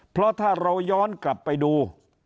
เพราะถ้าเราย้อนกลับไปดู